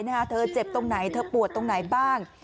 เธอเจ็บตรงไหนเธอปวดตรงไหนบ้าง